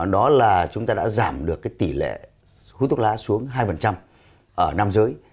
đó là chúng ta đã giảm được tỷ lệ hút thuốc lá xuống hai ở nam giới